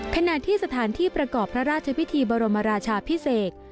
ขณะที่สถานที่ประกอบพระราชพิธีบรมราชาพิเศษ